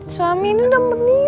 suami ini udah meniup